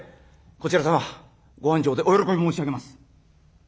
こちらさんはご繁盛でお喜び申し上げます」。